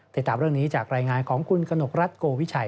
ติดตามเรื่องนี้จากรายงานของคุณกนกรัฐโกวิชัย